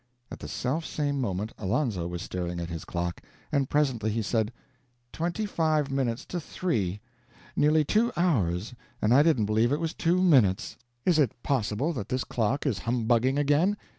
At the self same moment Alonzo was staring at his clock. And presently he said: "Twenty five minutes to three! Nearly two hours, and I didn't believe it was two minutes! Is it possible that this clock is humbugging again?